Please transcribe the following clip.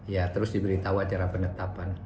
ya terus diberitahu acara penetapan